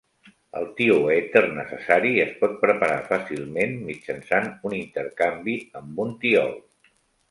El tioèter necessari es pot preparar fàcilment mitjançant un intercanvi amb un tiol.